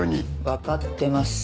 分かってます。